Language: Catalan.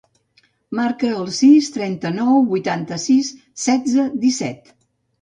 Marca el sis, trenta-nou, vuitanta-sis, setze, disset.